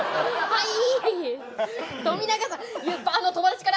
はい。